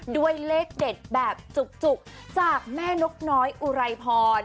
ด้วยเลขเด็ดแบบจุกจากแม่นกน้อยอุไรพร